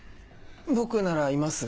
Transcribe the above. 僕ならいます。